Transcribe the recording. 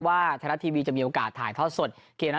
ว่าทนรัฐตีบีจะมีโอกาสถ่ายทอดสด